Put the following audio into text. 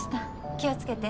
気を付けて。